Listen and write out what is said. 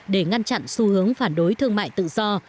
để ngăn chặn xu hướng phản đối thương mại tự do